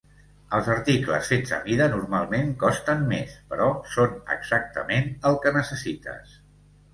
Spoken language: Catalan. Els articles fets a mida normalment costen més, però són exactament el que necessites.